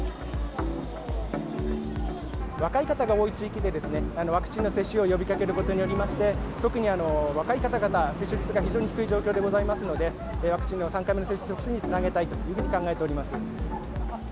若い方が多い地域で、ワクチンの接種を呼びかけることによりまして、特に若い方々、接種率が非常に低い状況でございますので、ワクチンの３回目の接種促進につなげたいというふうに考えております。